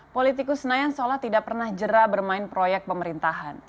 politikus nayang solla tidak pernah jerah bermain proyek pemerintahan